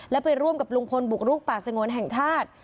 และไปร่วมกับลุงพลบุกรุกป่าสงวนแห่งชาติ